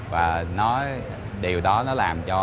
và điều đó làm cho